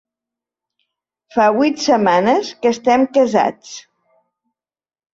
Fa huit setmanes que estem casats.